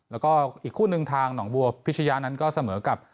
แล้วก็อีกคู่หนึ่งทางหนองบัวพิชยะนั้นก็เสมอกับ